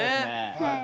はい。